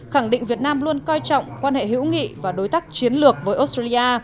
khẳng định việt nam luôn coi trọng quan hệ hữu nghị và đối tác chiến lược với australia